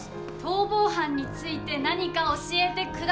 逃亡犯について何か教えて下さい。